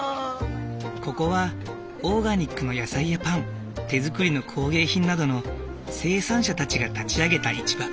ここはオーガニックの野菜やパン手作りの工芸品などの生産者たちが立ち上げた市場。